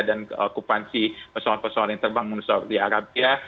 dan keokupansi pesawat pesawat yang terbang di arabia